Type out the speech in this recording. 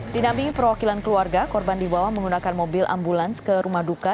dinampingi perwakilan keluarga korban dibawa menggunakan mobil ambulans ke rumah duka